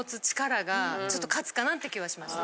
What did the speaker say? って気はしました。